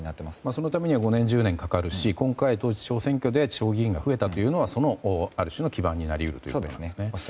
そのためには５年、１０年かかるし今回、統一地方選挙で地方議員が増えたというのはある種の基盤になり得るということですね。